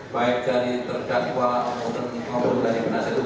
baik dari terdakwa omong omong dan penasih dukung